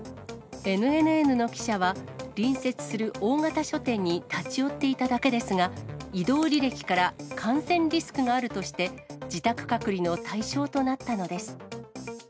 ＮＮＮの記者は、隣接する大型書店に立ち寄っていただけですが、移動履歴から感染リスクがあるとして、自宅隔離の対象となったのです。